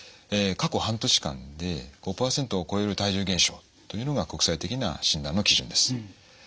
過去半年間で５％を超える体重減少というのが国際的な診断の基準です。